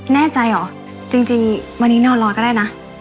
แน่ใจเหรอจริงวันนี้นอนรอก็ได้นะ